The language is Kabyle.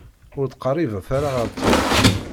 Ur ttqeṛṛibet ara ar tmes.